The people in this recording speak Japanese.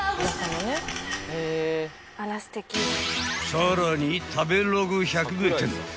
［さらに食べログ百名店２０２２